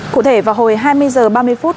cụ thể vào hồi hai mươi h ba mươi phút